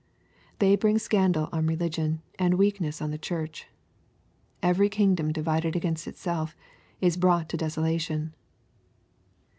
They bring scandal on re ligion, and weakness on the church. " Every.kingdom divided against itself is brought to desolation."